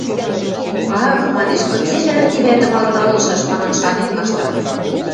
– Ах, – манеш, – кыце вӓл ти вӓтӹм алталышаш, манын шанен каштам.